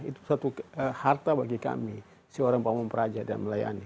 itu satu harta bagi kami si orang paham peraja dan melayani